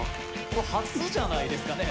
これ初じゃないですかね